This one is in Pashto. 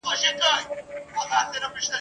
میاشت لا نه وه تېره سوې ډزهار سو !.